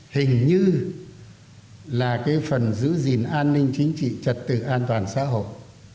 hình như là cái phần giữ gìn an ninh chính trị trật tự an toàn xã hội